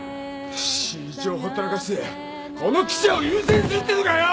信一をほったらかしてこの記者を優先するっていうのかよ！